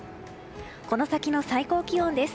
この先の最高気温です。